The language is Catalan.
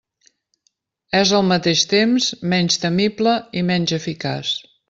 És al mateix temps menys temible i menys eficaç.